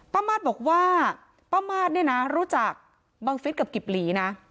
มาสบอกว่าป้ามาสเนี่ยนะรู้จักบังฟิศกับกิบหลีนะ